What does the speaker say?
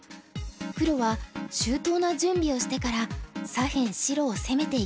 黒は周到な準備をしてから左辺白を攻めていきます。